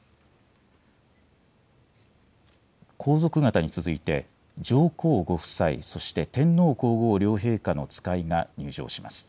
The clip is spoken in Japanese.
皇族方に続いて、上皇ご夫妻、そして天皇皇后両陛下の使いが入場します。